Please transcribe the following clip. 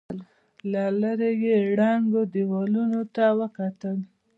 له ليرې يې ړنګو دېوالونو ته وکتل.